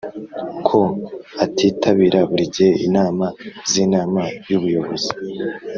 ko atitabira buri gihe inama z Inama y Ubuyobozi